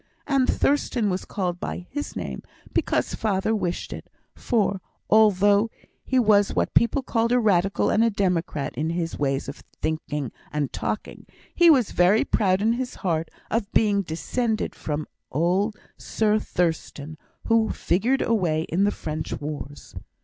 And Thurstan was called by his name because my father wished it; for, although he was what people called a radical and a democrat in his ways of talking and thinking, he was very proud in his heart of being descended from some old Sir Thurstan, who figured away in the French wars."